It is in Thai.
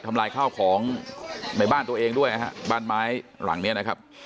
ลายข้าวของในบ้านตัวเองด้วยนะฮะบ้านไม้หลังเนี้ยนะครับ